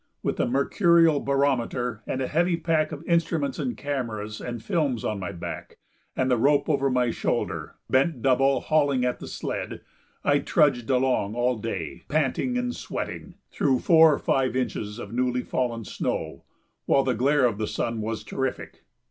With the mercurial barometer and a heavy pack of instruments and cameras and films on my back and the rope over my shoulder, bent double hauling at the sled, I trudged along all day, panting and sweating, through four or five inches of new fallen snow, while the glare of the sun was terrific.